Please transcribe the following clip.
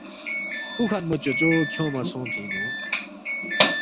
ہُوکھنمو چوچو کھیونگما سونگفِنگ نُو